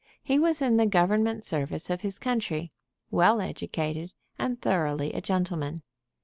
He was in the government service of his country, well educated, and thoroughly a gentleman.